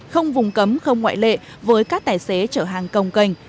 không vùng cấm không ngoại lệ với các tài xế chở hàng công canh